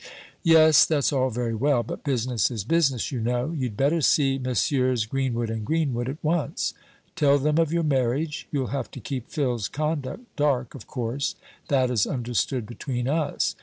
"Yes, that's all very well; but business is business, you know. You'd better see Messrs. Greenwood and Greenwood at once. Tell them of your marriage. You'll have to keep Phil's conduct dark, of course; that is understood between us.